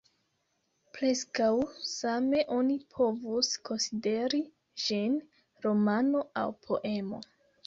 Preskaŭ same oni povus konsideri ĝin romano aŭ poemo.